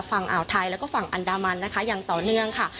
ฝั่งเอาล์ไทยและฝั่งอันดามันอันนั่งต่อเนื่องค่ะ